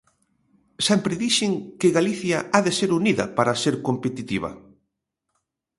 Sempre dixen que Galicia ha de ser unida para ser competitiva.